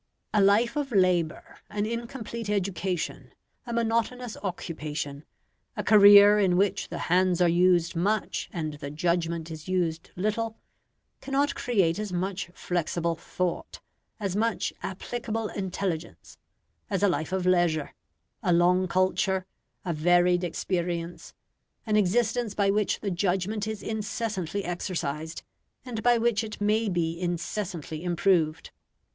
A life of labour, an incomplete education, a monotonous occupation, a career in which the hands are used much and the judgment is used little, cannot create as much flexible thought, as much applicable intelligence, as a life of leisure, a long culture, a varied experience, an existence by which the judgment is incessantly exercised, and by which it may be incessantly improved.